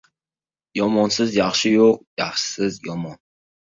• Yomonsiz yaxshi yo‘q, yaxshisiz ― yomon.